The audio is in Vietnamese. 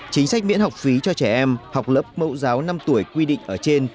chính sách miễn học phí cho trẻ em học lớp mẫu giáo năm tuổi quy định ở trên